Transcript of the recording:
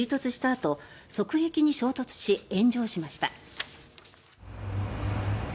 あと側壁に衝突し炎上しました。